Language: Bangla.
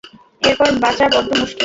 এরপর বাঁচা বড্ড মুশকিল।